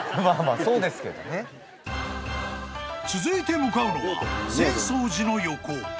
［続いて向かうのは浅草寺の横］